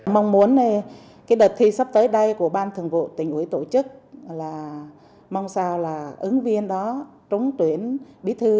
mong muốn cái đợt thi sắp tới đây của ban thường vụ tỉnh ủy tổ chức là mong sao là ứng viên đó trúng tuyển bí thư